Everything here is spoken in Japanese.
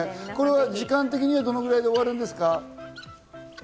時間的にはどのぐらいで終わるんですか？